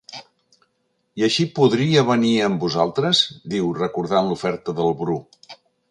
I així podria venir amb vosaltres? —diu, recordant l'oferta del Bru.